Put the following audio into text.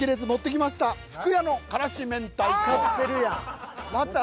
使ってるやん。